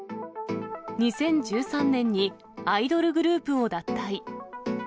２０１３年にアイドルグループを脱退。